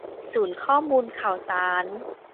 ศูนย์ข้อมูลข่าวสาร